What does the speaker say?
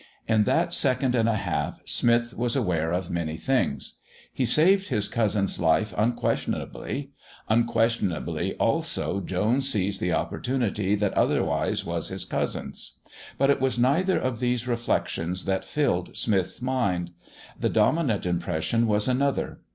In that second and a half Smith was aware of many things: He saved his cousin's life unquestionably; unquestionably also Jones seized the opportunity that otherwise was his cousin's. But it was neither of these reflections that filled Smith's mind. The dominant impression was another.